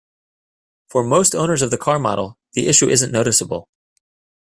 For most owners of the car model, the issue isn't noticeable.